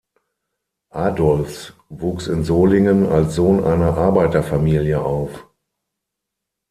Adolphs wuchs in Solingen als Sohn einer Arbeiterfamilie auf.